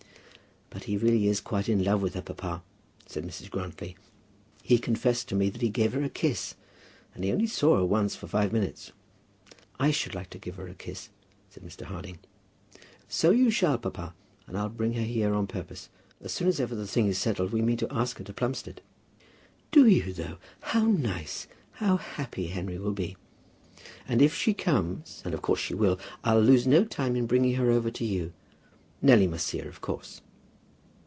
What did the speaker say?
"But he really is quite in love with her, papa," said Mrs. Grantly. "He confessed to me that he gave her a kiss, and he only saw her once for five minutes." "I should like to give her a kiss," said Mr. Harding. "So you shall, papa, and I'll bring her here on purpose. As soon as ever the thing is settled, we mean to ask her to Plumstead." "Do you though? How nice! How happy Henry will be!" "And if she comes and of course she will I'll lose no time in bringing her over to you. Nelly must see her of course."